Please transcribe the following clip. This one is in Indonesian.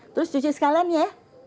terus cuci sekalian ya